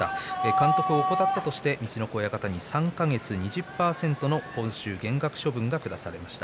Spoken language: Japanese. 監督を怠ったとして陸奥親方に３か月、２０％の報酬減額処分が下されました。